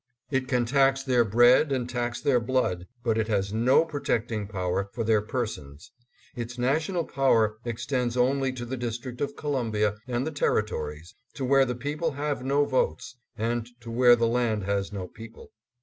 It can tax their bread and tax their blood, but it has no pro tecting power for their persons. Its national power 660 ADDKESS AT LINCOLN HALL. extends only to the District of Columbia and the Terri tories— to where the people have no votes, and to where the land has no people.